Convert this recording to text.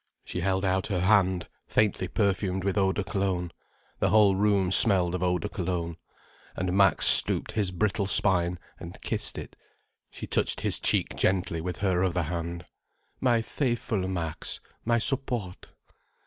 She held out her hand, faintly perfumed with eau de Cologne—the whole room smelled of eau de Cologne—and Max stooped his brittle spine and kissed it. She touched his cheek gently with her other hand. "My faithful Max, my support."